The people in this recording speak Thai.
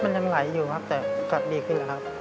มันยังไหลอยู่ครับแต่ก็ดีขึ้นแล้วครับ